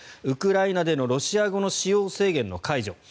ウクライナでのロシア語の使用制限の解除